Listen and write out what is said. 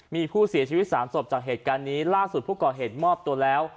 มีผู้เสียชีวิต๓ศพจากเหตุการณ์นี้ล่าสุดผู้ก่อเหตุมอบตัวแล้ว